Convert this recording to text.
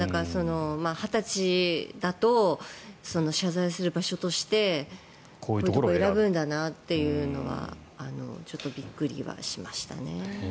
２０歳だと、謝罪する場所としてこういうところを選ぶんだなというのはちょっとびっくりはしましたね。